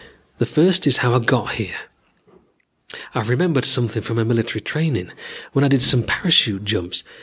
The first is how I got here. I've remembered something from my military training, when I did some parachute jumps.